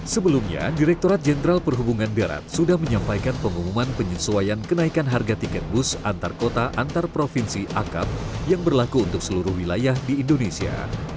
sejak tahun dua ribu sembilan belas direkturat jenderal perhubungan darat sudah menyampaikan pengumuman penyesuaian kenaikan harga tiket bus antar kota antar provinsi akap yang berlaku untuk seluruh wilayah di indonesia